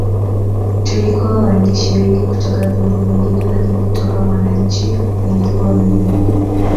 Tulikuwa waandishi wengi kutoka vyombo vingine lakini kutoka Mwananchi nilikuwa mimi